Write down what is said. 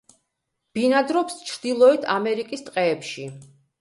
ბინადრობს ჩრდილოეთ ამერიკის ტყეებში.